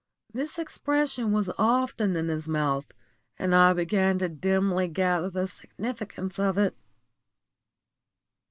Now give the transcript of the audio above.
This expression was often in his mouth, and I began to dimly gather the significance of it.